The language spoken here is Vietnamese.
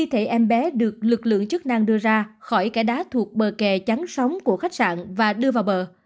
thể em bé được lực lượng chức năng đưa ra khỏi kẻ đá thuộc bờ kè trắng sóng của khách sạn và đưa vào bờ